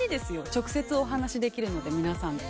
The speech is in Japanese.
直接お話できるので皆さんと。